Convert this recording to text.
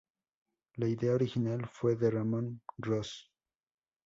La idea original fue de Ramón Ros.